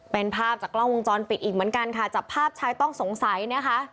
เป็นภาพจากกล้องวงจรปิดอีกเหมือนกันค่ะจับภาพชายต้องสงสัยนะคะ